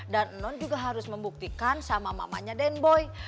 dan non juga harus membuktikan sama mamanya den boy